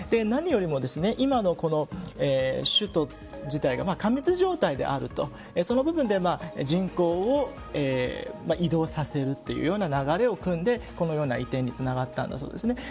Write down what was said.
何よりも首都自体が過密状態であるとその部分で人口移動させるというような流れをくんでこのような移転につながったそうです。